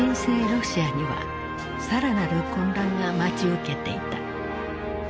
ロシアには更なる混乱が待ち受けていた。